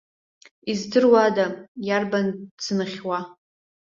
Издыруада, иарбан дзынхьуа?